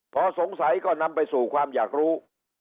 พอสงสัยก็นำไปสู่ความอยากรู้